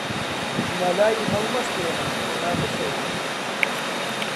مەلای هەڵمەستێنن با بخەوێ